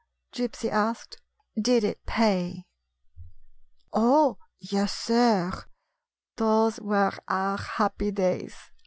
" Gypsy asked. " Did it pay ?"" Oh, yes, sir. Those were our happy days.